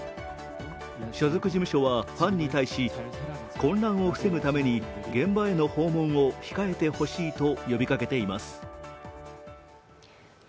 所属事務所はファンに対し、混乱を防ぐために現場への訪問を控えてほしいと呼びかけています。